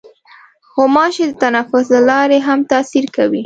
غوماشې د تنفس له لارې هم تاثیر کوي.